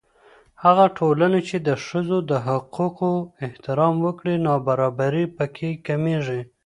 هغه ټولنه چې د ښځو د حقوقو احترام وکړي، نابرابري په کې کمېږي.